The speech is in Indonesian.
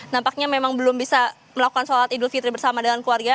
nampaknya memang belum bisa melakukan sholat idul fitri bersama dengan keluarga